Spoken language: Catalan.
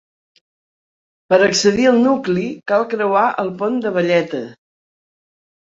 Per accedir al nucli cal creuar el pont de Valleta.